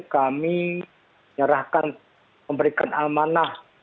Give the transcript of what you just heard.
kami nyerahkan memberikan almanah